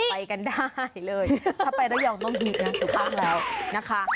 ไปกันได้เลยถ้าไประยองต้มหิทธิ์นะทุกครั้งแล้วนะคะ